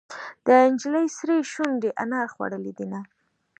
د نجلۍ سرې شونډې انار خوړلې دينهه.